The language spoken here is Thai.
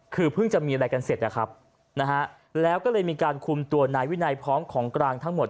คือเพิ่งจะมีอะไรกันเสร็จนะครับนะฮะแล้วก็เลยมีการคุมตัวนายวินัยพร้อมของกลางทั้งหมด